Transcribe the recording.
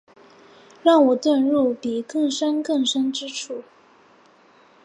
让我遁入比更深更深之处